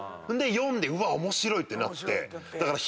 読んでうわっ面白い！ってなって。